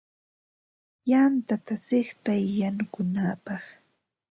Yantata chiqtay yanukunapaq.